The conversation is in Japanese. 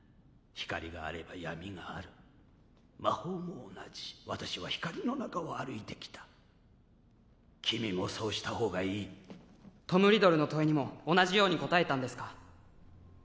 光があれば闇がある魔法も同じ私は光の中を歩いてきた君もそうした方がいいトム・リドルの問いにも同じように答えたんですか？